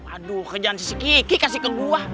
aduh kerjaan si kiki kasih ke gue